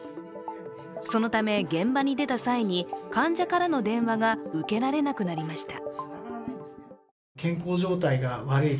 そのため、現場に出た際に患者からの電話が受けられなくなりました。